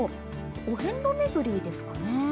お遍路巡りですかね？